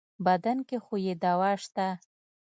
بدن کې خو يې دوا شته.